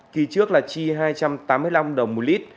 kỳ trước là chi hai trăm tám mươi năm đồng một lít